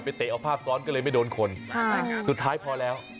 เตะเอาภาพซ้อนก็เลยไม่โดนคนสุดท้ายพอแล้ว